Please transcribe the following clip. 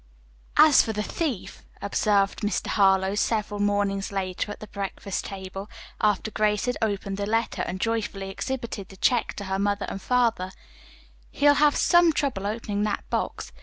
"As for the thief," observed Mr. Harlowe, several mornings later at the breakfast table, after Grace had opened the letter and joyfully exhibited the check to her mother and father; "he'll have some trouble opening that box.